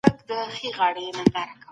ډېر خلک له برس څخه ناروغ نه کېږي.